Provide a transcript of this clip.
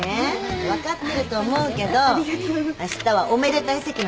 分かってると思うけどあしたはおめでたい席なんだから。